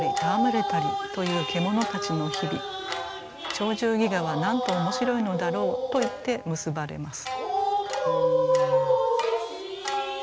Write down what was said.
「『鳥獣戯画』はなんとおもしろいのだろう」と言って結ばれます。